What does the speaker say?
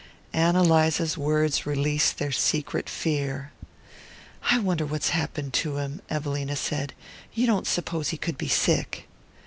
Ann Eliza's words released their secret fear. "I wonder what's happened to him," Evelina said. "You don't suppose he could be sick?"